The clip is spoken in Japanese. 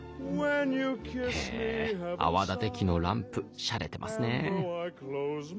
へぇ泡立て器のランプしゃれてますね。